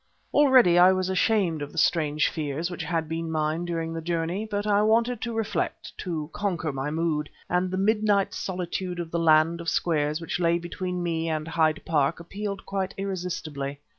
Already I was ashamed of the strange fears which had been mine during the journey, but I wanted to reflect, to conquer my mood, and the midnight solitude of the land of Squares which lay between me and Hyde Park appealed quite irresistibly.